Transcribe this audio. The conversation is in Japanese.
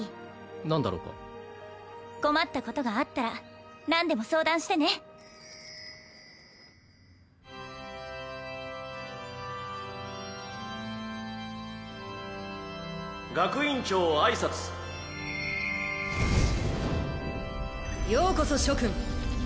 何だろうか困ったことがあったら何でも相談してね学院長挨拶ようこそ諸君